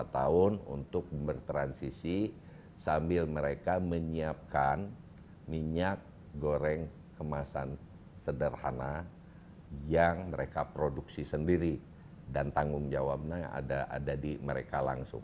lima tahun untuk bertransisi sambil mereka menyiapkan minyak goreng kemasan sederhana yang mereka produksi sendiri dan tanggung jawabnya ada di mereka langsung